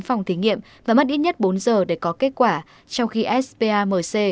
phòng thí nghiệm và mất ít nhất bốn giờ để có kết quả trong khi spr mc